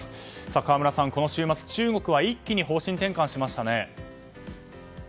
河村さん、この週末、中国は一気に方針転換しましたね。